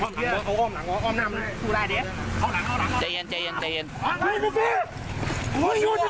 หมดจริงหมดจริงเพราะถึงความหิ้งยังไหว